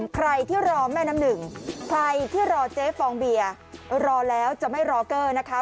ใครที่รอแม่น้ำหนึ่งใครที่รอเจ๊ฟองเบียร์รอแล้วจะไม่รอเกอร์นะคะ